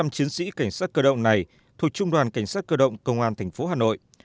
một trăm linh chiến sĩ cảnh sát cơ động này thuộc trung đoàn cảnh sát cơ động công an thành phố hà nội